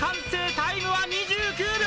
タイムは２９秒！